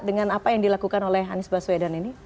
dengan apa yang dilakukan oleh anies baswedan ini